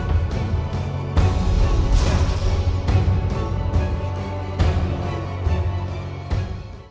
สวัสดีครับ